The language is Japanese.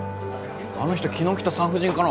あの人昨日来た産婦人科の。